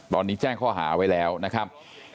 ตอนนี้แจ้งข้อหาไว้แล้วนะครับ